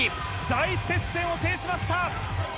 大接戦を制しました！